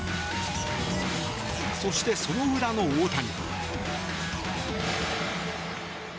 そして、その裏の大谷。